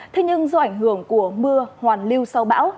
thế nhưng do ảnh hưởng của mưa hoàn lưu sau bão